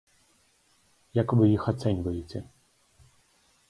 Як вы іх ацэньваеце?